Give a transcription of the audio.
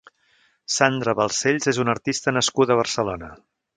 Sandra Balsells és una artista nascuda a Barcelona.